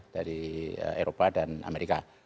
dari eropa dan amerika